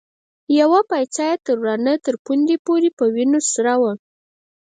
يوه پايڅه يې له ورانه تر پوندې پورې په وينو سره وه.